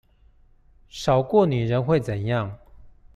少過女人會怎麼樣？